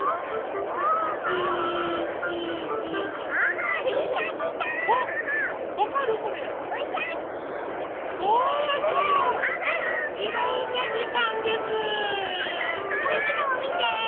はるきのもみて！